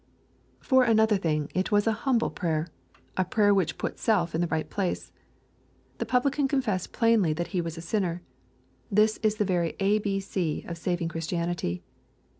— For another thing, it was a humble prayer, — a prayer which put self in the 262 EXPOSITORY THOUGnTS. right place. The Publican confessed plainly that he was a sinner. This is the very A B C of saving Chris tianity.